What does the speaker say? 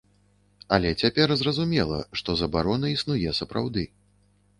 Але цяпер зразумела, што забарона існуе сапраўды.